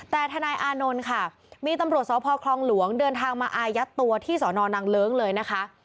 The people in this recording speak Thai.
แต่ทนายอานนท์ค่ะมีตำรวจสพคลองหลวงเดินทางมาอายัดตัวที่สอนอนังเลิ้งเลยนะคะ